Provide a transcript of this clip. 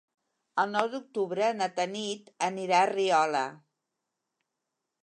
El nou d'octubre na Tanit anirà a Riola.